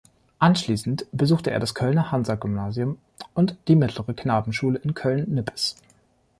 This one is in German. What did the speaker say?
Anschließend besuchte er das Kölner Hansa-Gymnasium und die Mittlere Knabenschule in Köln-Nippes.